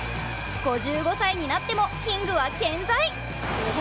５５歳になってもキングは健在。